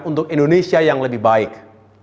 untuk indonesia yang lebih baik